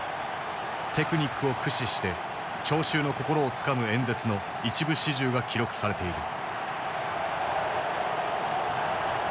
テクニックを駆使して聴衆の心をつかむ演説の一部始終が記録されている。